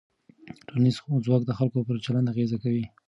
ټولنیز ځواک د خلکو پر چلند اغېز کوي.